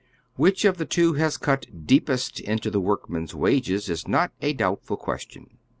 Which of the two has cut deepest into the workman's wages is not a doubtful ques tion.